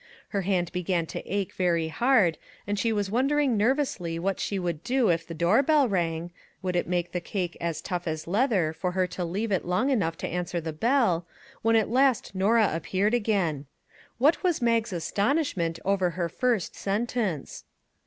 Her hand began to ache very hard, and she was wonder ing nervously what she would do if the door bell rang; would it make the cake " as tough as leather " for her to leave it long enough to answer the bell? when at last Norah appeared again. What was Mag's astonishment over her first sentence.